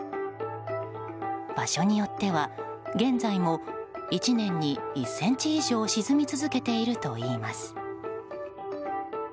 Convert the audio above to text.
場所によっては現在も１年に１ｃｍ以上沈み続けているといいます。